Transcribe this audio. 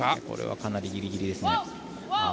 これはかなりギリギリですね。